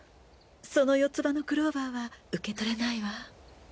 その四つ葉のクローバーは受け取れないわ。